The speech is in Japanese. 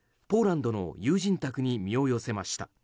ポーランドの友人宅に身を寄せました。